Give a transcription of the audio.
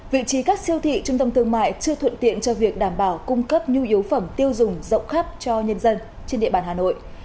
vị trí các siêu thị trung tâm thương mại chưa thuận tiện cho việc đảm bảo cung cấp nhu yếu phẩm tiêu dùng rộng khắp cho nhân dân trên địa bàn hà nội